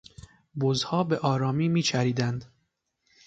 بزها به آرامی میچریدند.